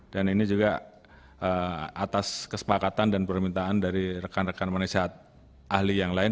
dan ini juga atas kesepakatan dan permintaan dari rekan rekan penasihat ahli yang lain